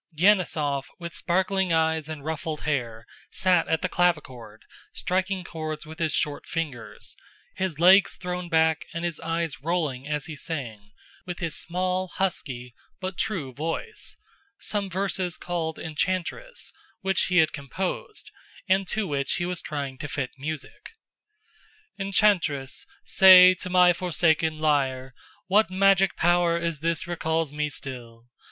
Denísov, with sparkling eyes and ruffled hair, sat at the clavichord striking chords with his short fingers, his legs thrown back and his eyes rolling as he sang, with his small, husky, but true voice, some verses called "Enchantress," which he had composed, and to which he was trying to fit music: Enchantress, say, to my forsaken lyre What magic power is this recalls me still?